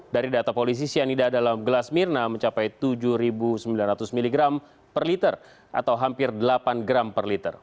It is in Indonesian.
dari data polisi cyanida dalam gelas mirna mencapai tujuh sembilan ratus mg per liter atau hampir delapan gram per liter